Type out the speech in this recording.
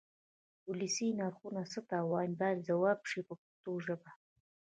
ولسي نرخونه څه ته وایي باید ځواب شي په پښتو ژبه.